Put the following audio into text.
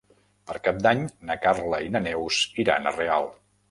Per Cap d'Any na Carla i na Neus iran a Real.